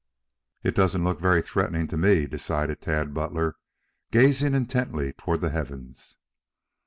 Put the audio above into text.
"It doesn't look very threatening to me," decided Tad Butler, gazing intently toward the heavens.